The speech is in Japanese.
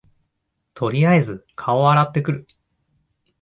とりあえず顔洗ってくる